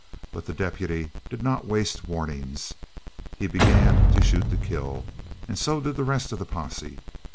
But the deputy did not waste warnings. He began to shoot to kill. And so did the rest of the posse.